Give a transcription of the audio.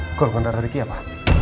kau keluarkan darah riki apa